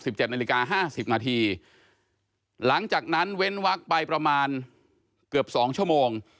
เจ็ดนาฬิกาห้าสิบนาทีหลังจากนั้นเว้นวักไปประมาณเกือบสองชั่วโมง